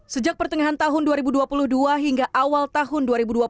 sejak pertengahan tahun dua ribu dua puluh dua hingga awal tahun dua ribu dua puluh